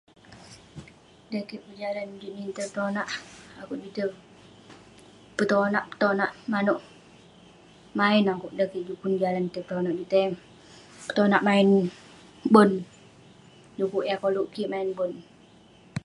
Dan kik pun jalan juk nin tai petonak, akouk juk tai petonak- petonak manouk main akouk dan kik juk pun jalan juk tai petonak. Juk tai petonak main bon. Dekuk yah koluk kik main bon.